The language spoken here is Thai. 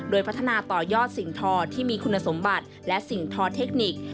โดยพัฒนาต่อยอดสิ่งทอที่มีคุณสมบัติและสิ่งทอเทคนิค